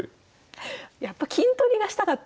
やっぱ金取りがしたかったのか。